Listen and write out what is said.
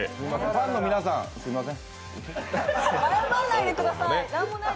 ファンの皆さん、すいません。